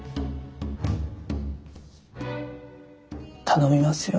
頼みますよ。